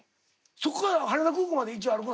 そこから羽田空港まで道歩くの？